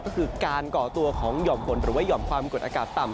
ก็คือการก่อตัวของหย่อมฝนหรือว่าห่อมความกดอากาศต่ำ